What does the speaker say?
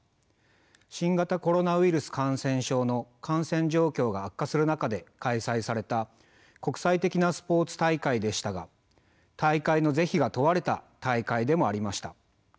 新型コロナウイルス感染症の感染状況が悪化する中で開催された国際的なスポーツ大会でしたが大会の是非が問われた大会でもありました。